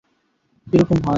এরকম হয় না!